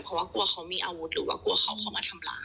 เพราะว่ากลัวเขามีอาวุธหรือว่ากลัวเขาเขามาทำร้าย